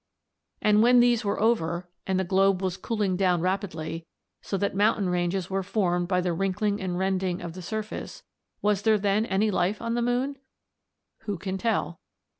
"And when these were over, and the globe was cooling down rapidly, so that mountain ranges were formed by the wrinkling and rending of the surface, was there then any life on the moon? Who can tell?